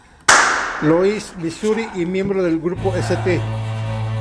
Louis, Missouri, y miembro del grupo St.